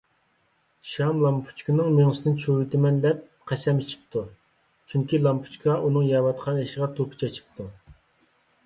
شام لامپۇچكىنىڭ مېڭىسىنى چۇۋۇۋېتىمەن دەپ قەسەم ئىچىپتۇ، چۈنكى لامپۇچكا ئۇنىڭ يەۋاتقان ئېشىغا توپا چېچىپتۇ.